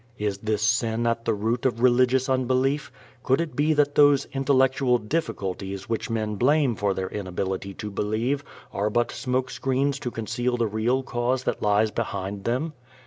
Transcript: Is this sin at the root of religious unbelief? Could it be that those "intellectual difficulties" which men blame for their inability to believe are but smoke screens to conceal the real cause that lies behind them?